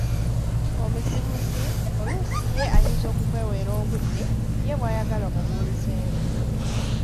Omuzibuzi oluusi ye ayinza okukweweera obudde ye bw’ayagala omubuulizeemu.